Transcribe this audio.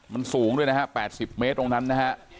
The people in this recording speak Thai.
มันสูงด้วยนะฮะ๘๐เมตรตรงนั้นนะฮะ